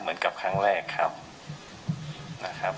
เหมือนกับครั้งแรกครับ